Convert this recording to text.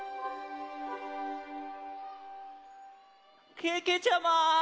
けけちゃま！